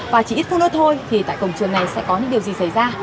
và chỉ ít hơn nữa thôi thì tại cổng trường này sẽ có những điều gì xảy ra